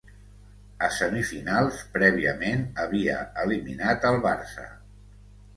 A semifinals, prèviament, havia eliminat el Barça.